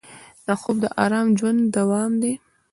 خوب د ارام ژوند دوام دی